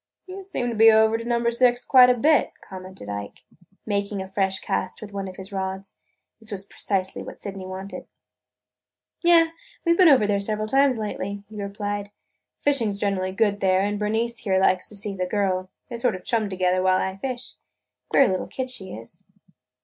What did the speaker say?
"You seem to be over to Number Six quite a bit," commented Ike, making a fresh cast with one of his rods. This was precisely what Sydney wanted. "Yes, we have been over several times lately," he replied. "Fishing 's generally good there and Bernice here likes to see the girl. They sort of chum together while I fish. Queer little kid she is!"